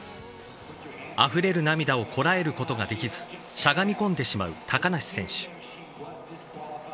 あふれる涙をこらえることができず、しゃがみ込んでしまう高梨選手。